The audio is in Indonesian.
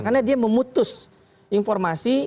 karena dia memutus informasi